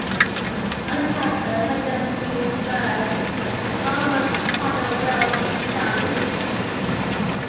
At the time of Alexander Stephens's birth, the farm was part of Wilkes County.